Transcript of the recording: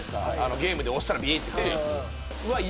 ゲームで押したらビリッ。